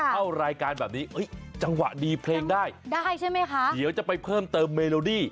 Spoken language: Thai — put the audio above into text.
เข้ารายการแบบนี้จังหวะดีเพลงได้ได้ใช่ไหมคะเดี๋ยวจะไปเพิ่มเติมเมโลดี้